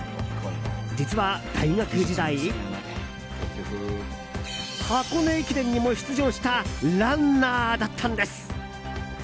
実は大学時代箱根駅伝にも出場したランナーだったんです。